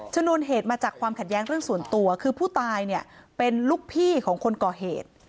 ชนวนเหตุมาจากความขัดแย้งเรื่องส่วนตัวคือผู้ตายเนี่ยเป็นลูกพี่ของคนก่อเหตุ